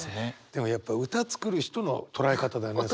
でもやっぱ歌作る人の捉え方だよね。